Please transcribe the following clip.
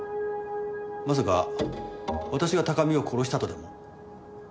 まさか私が高見を殺したとでも？